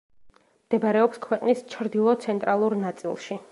მდებარეობს ქვეყნის ჩრდილო–ცენტრალურ ნაწილში.